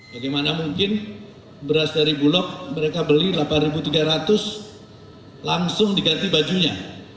bagaimana mungkin beras dari bulog mereka beli rp delapan tiga ratus langsung diganti bajunya